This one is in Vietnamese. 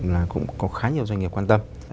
là cũng có khá nhiều doanh nghiệp quan tâm